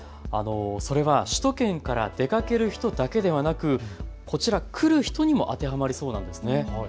それは首都圏から出かける人だけではなく来る人にも当てはまりそうなんです。